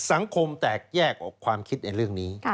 สังคมแตกแยกออกความคิดในเรื่องนี้